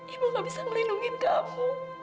ibu gak bisa melindungi kamu